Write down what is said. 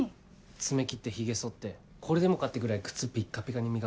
爪切ってヒゲそってこれでもかってぐらい靴ピッカピカに磨くの。